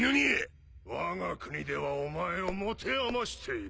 わが国ではお前を持て余している